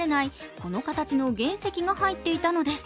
この形の原石が入っていたのです。